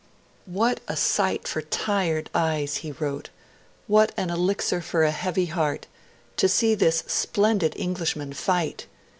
'What a sight for tired eyes,' he wrote, 'what an elixir for a heavy heart to see this splendid Englishman fight!...